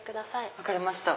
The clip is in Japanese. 分かりました。